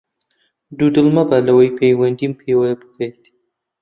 دوودڵ مەبە لەوەی پەیوەندیم پێوە بکەیت!